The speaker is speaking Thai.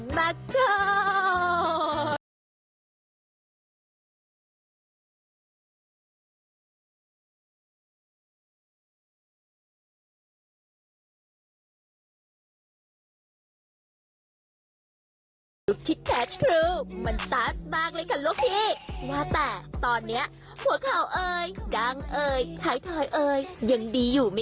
โปรดติดตามต่อไป